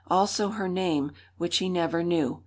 Also her name, which he never knew.